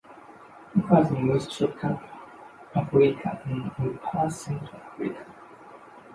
Occurs in West Tropical Africa and in parts Central Africa.